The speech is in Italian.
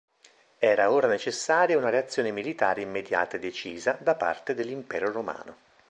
Era ora necessaria una reazione militare immediata e decisa da parte dell'impero romano.